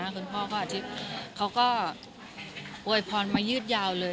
คุณพ่อเขาก็เอ่ยพรมายืดยาวเลย